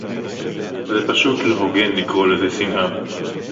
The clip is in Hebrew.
זה פשוט לא הוגן לקרוא לזה שנאה